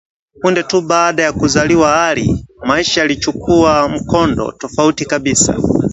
Punde tu baada ya kuzaliwa Ali, maisha yalichukua mkondo tofauti kabisa